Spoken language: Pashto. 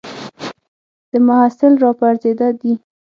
د محصل را پرځېده دي